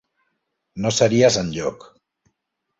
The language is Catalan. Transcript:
No series enlloc.